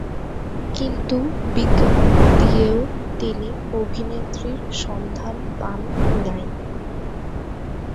কিন্তু বিজ্ঞাপন দিয়েও তিনি অভিনেত্রীর সন্ধান পান নাই।